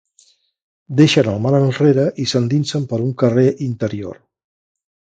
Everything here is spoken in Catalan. Deixen el mar enrere i s'endinsen per un carrer interior.